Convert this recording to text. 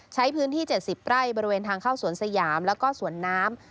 ใช้พื้นที่๗๐ไร่บริเวณทางเข้าสวนสยามแล้วก็สวนน้ำ